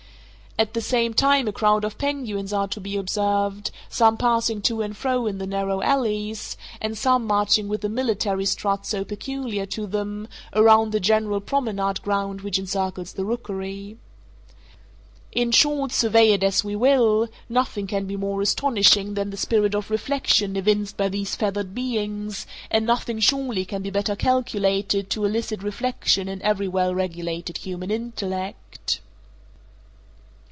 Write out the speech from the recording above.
At the same time a crowd of penguins are to be observed, some passing to and fro in the narrow alleys, and some marching with the military strut so peculiar to them, around the general promenade ground which encircles the rookery. In short, survey it as we will, nothing can be more astonishing than the spirit of reflection evinced by these feathered beings, and nothing surely can be better calculated to elicit reflection in every well regulated human intellect.